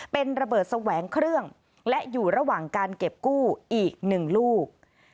เป็นระเบิดแสวงเครื่องและอยู่ระหว่างการเก็บกู้อีก๑ลูก